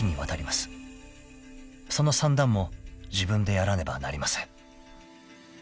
［その算段も自分でやらねばなりません］